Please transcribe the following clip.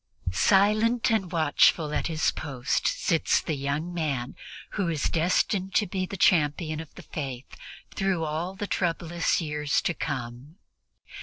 Silent and watchful at his post sits the young man who is destined to be the champion of the Faith through all the troublous years to come.